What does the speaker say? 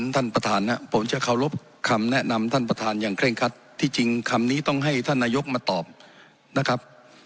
ท่านประธานครับผมจะเคารพคำแนะนำท่านประธานอย่างเคร่งคัดที่จริงคำนี้ต้องให้ท่านนายกมาตอบนะครับ